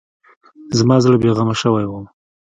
زما زړه بې غمه شوی و.